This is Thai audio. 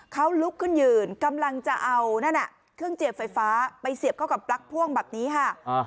เขาลุกขึ้นยืนกำลังจะเอานั่นเครื่องเจียบไฟฟ้าไปเสียบเข้ากับปลั๊กพ่วงแบบนี้ค่ะ